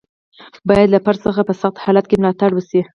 باید له فرد څخه په سخت حالت کې ملاتړ وشي.